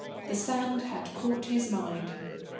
The sand had caught his mind.